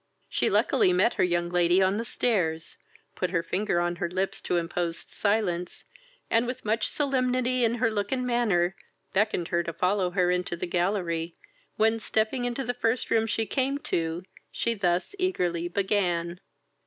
She luckily met her young lady on the stairs, put her finger on her lips to imposed silence, and, with much solemnity in her look and manner, beckoned her to follow her into the gallery, when, stepping into the first room she came to, she thus eagerly began.